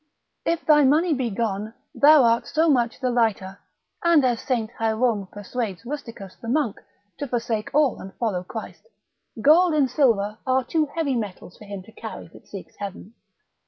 If thy money be gone, thou art so much the lighter, and as Saint Hierome persuades Rusticus the monk, to forsake all and follow Christ: Gold and silver are too heavy metals for him to carry that seeks heaven.